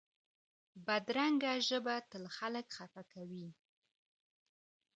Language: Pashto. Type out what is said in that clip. بدرنګه ژبه تل خلک خفه کوي